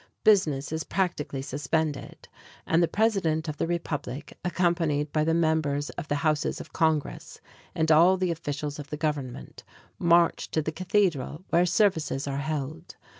Business is practically suspended, and the President of the Republic, accompanied by the members of the Houses of Congress and all the officials of the Government, march to the cathedral, where services are held.